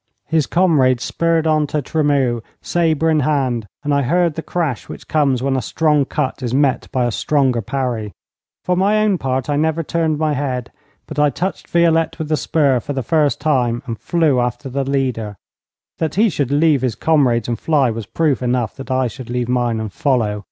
His comrade spurred on to Tremeau, sabre in hand, and I heard the crash which comes when a strong cut is met by a stronger parry. For my own part I never turned my head, but I touched Violette with the spur for the first time and flew after the leader. That he should leave his comrades and fly was proof enough that I should leave mine and follow.